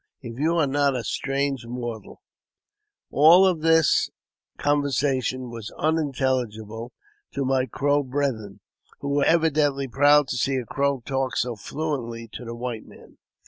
if you are not a strange mortal !" All this conversation was unintelligible to my Crow brethren, who were evidently proud to see a Crow talk so fluently to the white man.